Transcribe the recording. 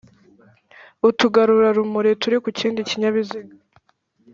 Utugarurarumuri turi ku kindi kinyabiziga